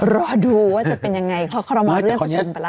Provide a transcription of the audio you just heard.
รอดูว่าจะเป็นยังไงเขาเข้ามาเรื่องกันไปแล้ว